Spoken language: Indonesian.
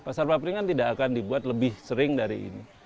pasar papringan tidak akan dibuat lebih sering dari ini